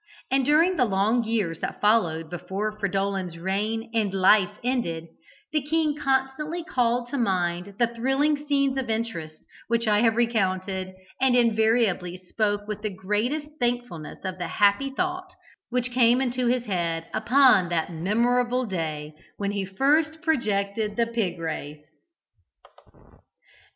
And during the long years that followed before Fridolin's reign and life ended, the king constantly called to mind the thrilling scenes of interest which I have recounted, and invariably spoke with the greatest thankfulness of the happy thought which came into his head upon that memorable day when he first projected the pig race.